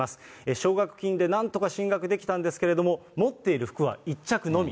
奨学金でなんとか進学できたんですけれども、持っている服は１着のみ。